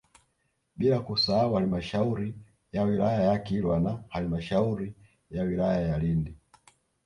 Bila kusahau Halmashauri ya wilaya ya Kilwa na halmashauri ya wilaya ya Lindi